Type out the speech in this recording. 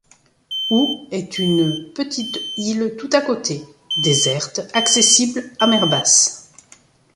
Hou est une petite île tout à côté, déserte, accessible à mer basse.